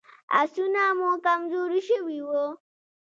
آسونه مو کمزوري شوي وو.